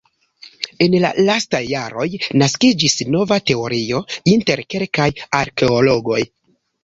En la lastaj jaroj naskiĝis nova teorio inter kelkaj arkeologoj.